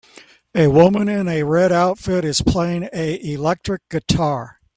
A woman in a red outfit is playing a electric guitar